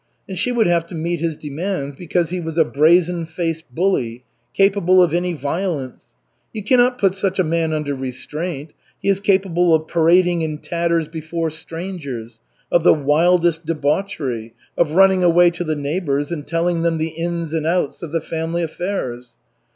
And she would have to meet his demands, because he was a brazen faced bully, capable of any violence. You cannot put such a man under restraint; he is capable of parading in tatters before strangers, of the wildest debauchery, of running away to the neighbors and telling them the ins and outs of the family affairs.